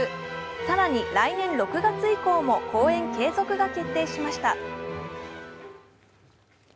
更に来年６月以降も公演継続が決定しました。